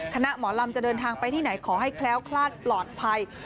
หมอลำจะเดินทางไปที่ไหนขอให้แคล้วคลาดปลอดภัย